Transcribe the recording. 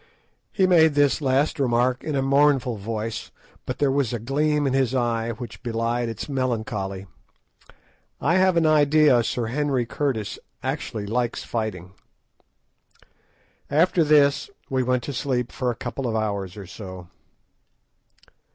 He made this last remark in a mournful voice, but there was a gleam in his eye which belied its melancholy. I have an idea Sir Henry Curtis actually likes fighting. After this we went to sleep for a couple of hours or so.